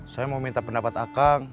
saya mau minta pendapat akang